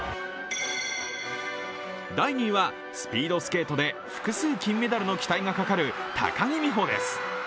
第２位は、スピードスケートで複数金メダルの期待がかかる高木美帆です。